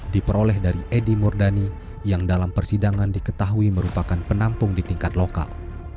diperoleh dari edi murdani yang dalam persidangan diketahui merupakan penampung di tingkat lokal